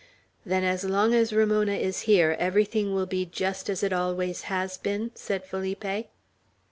"Then as long as Ramona is here, everything will be just as it always has been?" said Felipe.